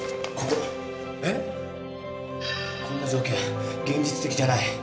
こんな条件現実的じゃない。